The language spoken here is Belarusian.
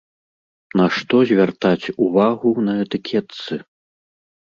На што звяртаць увагу на этыкетцы?